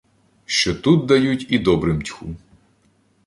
Що тут дають і добрим тьху.